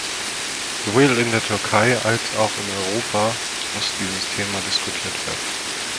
Sowohl in der Türkei als auch in Europa muss dieses Thema diskutiert werden.